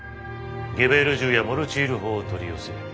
ゲベール銃やモルチール砲を取り寄せ。